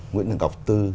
nguyễn đường cọc tư